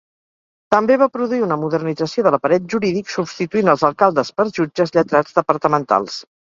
També va produir una modernització de l'aparell jurídic, substituint els alcaldes per jutges lletrats departamentals.